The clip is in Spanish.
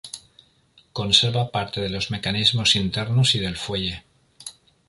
Conserva parte de los mecanismos internos y del fuelle.